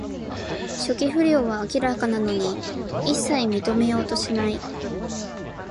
初期不良は明らかなのに、いっさい認めようとしない